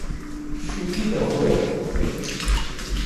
شووتی دەخۆیت؟